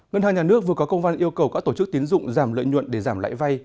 ngân hàng nhà nước vừa có công văn yêu cầu các tổ chức tiến dụng giảm lợi nhuận để giảm lãi vay